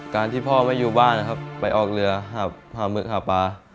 การที่พ่อไม่อยู่บ้านไปออกเหลือหามึกหาปลา